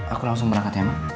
aku langsung berangkat ya mak